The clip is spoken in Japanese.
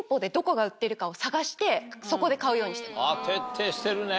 徹底してるね。